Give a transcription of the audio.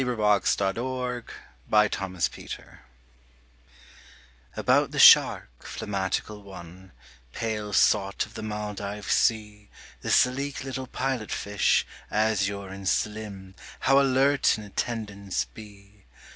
Herman Melville The Maldive Shark ABOUT the Shark, phlegmatical one, Pale sot of the Maldive sea The sleek little pilot fish, azure and slim, How alert in attendence be.